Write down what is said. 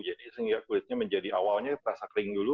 jadi sehingga kulitnya menjadi awalnya terasa kering dulu